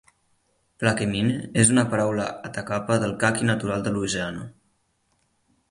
"Plaquemine" és una paraula Atakapa del caqui natural de Louisiana.